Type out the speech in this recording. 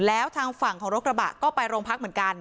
แล้วทางฝั่งของรถกระบะก็ไปโรงพักเหมือนกัน